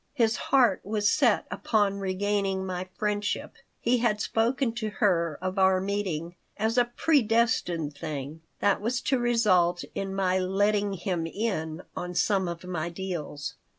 His heart was set upon regaining my friendship. He had spoken to her of our meeting as a "predestined thing" that was to result in my "letting him in" on some of my deals.